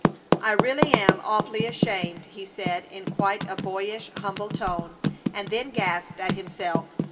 "I really am awfully ashamed," he said, in quite a boyish, humble tone, and then gasped at himself.